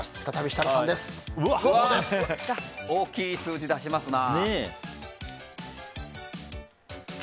大きい数字出しますな！